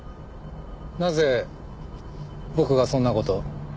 なぜ僕がそんな事を？